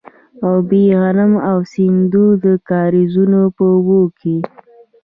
ابي غنم د سیندونو او کاریزونو په اوبو کیږي.